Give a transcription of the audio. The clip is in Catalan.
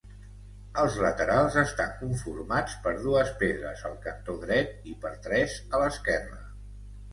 Els laterals estan conformats per dues pedres al cantó dret i per tres a l'esquerra.